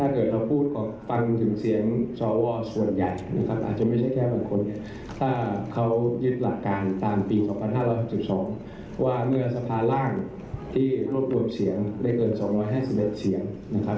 เขายึดหลักการตามปี๒๕๕๒ว่าเมื่อสภาร่างที่โรคปวดเสียงได้เกิน๒๕๑เสียง